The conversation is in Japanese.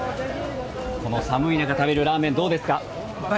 この寒い中食べるラーメンどうですか？